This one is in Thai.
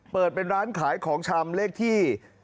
เปิดเป็นร้านขายของชำเลขที่